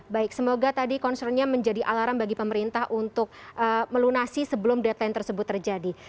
baik semoga tadi concernnya menjadi alarm bagi pemerintah untuk melunasi sebelum deadline tersebut terjadi